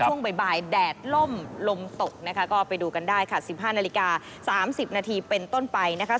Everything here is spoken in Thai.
ช่วงบ่ายแดดล่มลมตกนะคะก็ไปดูกันได้ค่ะ๑๕นาฬิกา๓๐นาทีเป็นต้นไปนะคะ